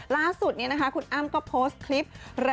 ล่าสุดนี้นะคะคุณอ้ำก็โพสต์คลิป